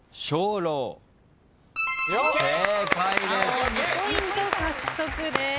青２ポイント獲得です。